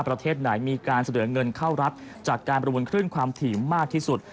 ประเทศไหนมีการเสนอเงินเข้ารัฐจากการประมูลคลื่นความถี่มากที่สุด